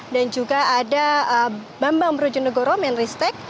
dan juga ada bambang brojonegoro menristek